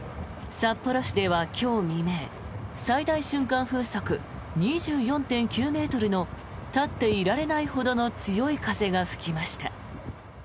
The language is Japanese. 札幌市では今日未明最大瞬間風速２４．９ｍの立っていられないほどの強い風が吹きました。